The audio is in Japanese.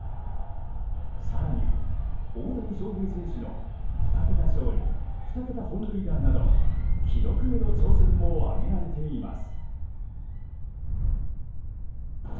更に、大谷翔平選手の２桁勝利２桁本塁打など記録への挑戦も挙げられています。